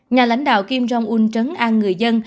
nhà lãnh đạo kim rong un trấn an người dân